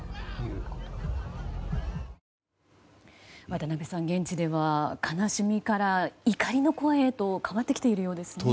渡辺さん、現地では悲しみから怒りの声へと変わってきているようですね。